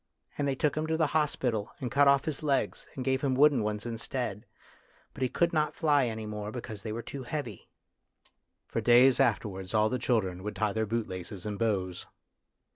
And they took him to the hospital, and cut off his legs, and gave hin> wooden ones instead. But he could not fly any more because they were too heavy." For days afterwards all the children would tie their bootlaces in bows.